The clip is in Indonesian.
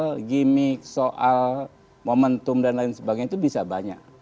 jadi saya bilang tadi soal gimmick soal momentum dan lain sebagainya itu bisa banyak